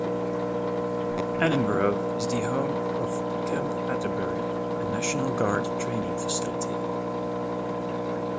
Edinburgh is the home of Camp Atterbury, a National Guard training facility.